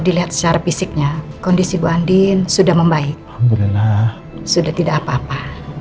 dilihat secara fisiknya kondisi bu andi sudah membaik sudah tidak apa apa